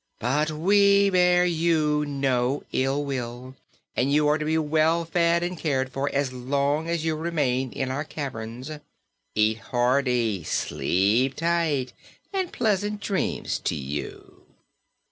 But we bear you no ill will, and you are to be well fed and cared for as long as you remain in our caverns. Eat hearty, sleep tight, and pleasant dreams to you."